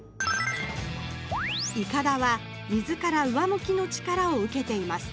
いかだは水から上向きの力を受けています。